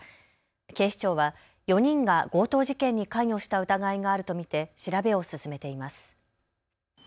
警視庁は４人が強盗事件に関与した疑いがあると見て調べを進めています。